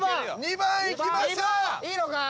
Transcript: ２番いきましたいいのか？